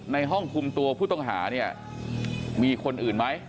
ในห้องคุมตัวผู้ต้องหาเนี่ยมีคนอื่นไหม